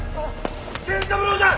源三郎じゃ！